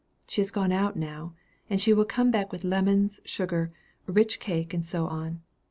She has gone out now; and she will come back with lemons, sugar, rich cake, and so on.